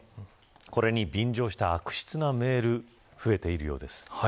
これに便乗した悪質なメール増えているようです。